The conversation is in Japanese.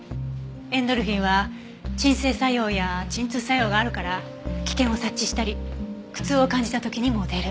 エンドルフィンは鎮静作用や鎮痛作用があるから危険を察知したり苦痛を感じた時にも出る。